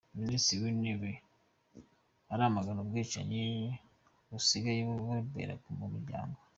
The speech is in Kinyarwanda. Minisitiri w’Intebe aramagana ubwicanyi busigaye bubera mu miryango